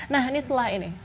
nah ini setelah ini